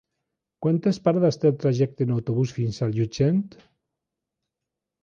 Quantes parades té el trajecte en autobús fins a Llutxent?